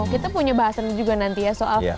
kita punya bahasan juga nanti ya soal